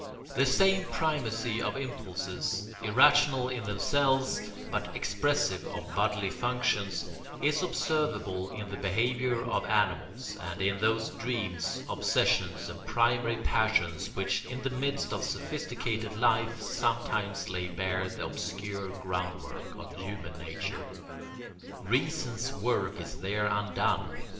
The same primacy of impulses, irrational in themselves but expressive of bodily functions, is observable in the behaviour of animals, and in those dreams, obsessions, and primary passions which in the midst of sophisticated life sometimes lay bare the obscure groundwork of human nature. Reason's work is there undone.